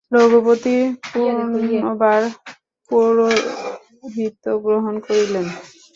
রঘুপতি পুনর্বার পৌরহিত্য গ্রহণ করিলেন।